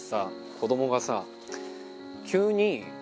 子どもがさ